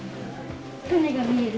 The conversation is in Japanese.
船が見える。